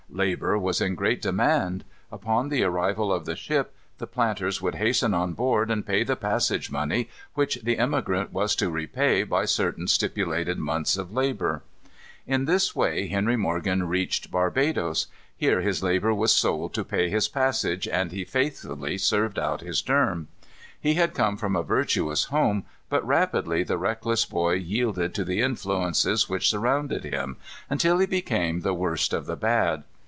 Labor was in great demand. Upon the arrival of the ship the planters would hasten on board and pay the passage money, which the emigrant was to repay by certain stipulated months of labor. In this way Henry Morgan reached Barbadoes. Here his labor was sold to pay his passage, and he faithfully served out his term. He had come from a virtuous home, but rapidly the reckless boy yielded to the influences which surrounded him, until he became the worst of the bad.